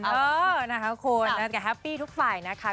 เออนะคะคุณแต่แฮปปี้ทุกฝ่ายนะคะ